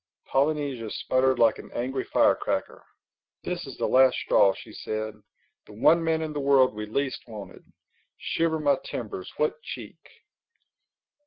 Polynesia spluttered like an angry fire cracker. "This is the last straw," said she. "The one man in the world we least wanted. Shiver my timbers, what cheek!"